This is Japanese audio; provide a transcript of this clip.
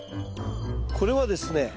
これはですね